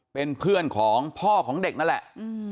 เป็นเพื่อนของพ่อของเด็กนั่นแหละ